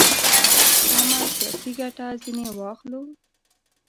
خامه سیاسي ګټه ځنې واخلو.